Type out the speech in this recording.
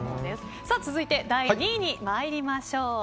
続いて、第２位に参りましょう。